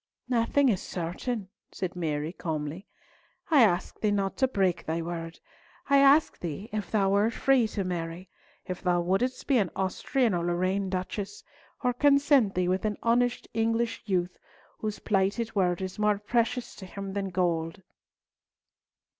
"Nothing is certain," said Mary, calmly. "I ask thee not to break thy word. I ask thee, if thou wert free to marry, if thou wouldst be an Austrian or Lorraine duchess, or content thee with an honest English youth whose plighted word is more precious to him than gold."